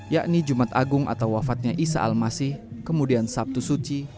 yakni jumat agung atau wafatnya isa al masih kemudian sabtu suci